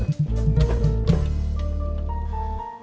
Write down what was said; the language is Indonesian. ini itu asizesi